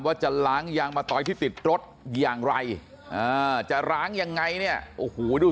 ว่าจะล้างยางมะตอยที่ติดรถอย่างไรอ่าจะล้างยังไงเนี่ยโอ้โหดู